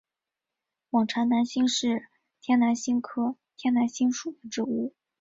网檐南星是天南星科天南星属的植物。